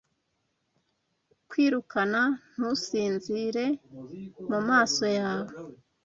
Kwirukana ntusinzire mumaso yawe